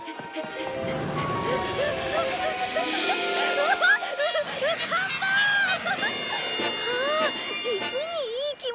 ハア実にいい気持ち！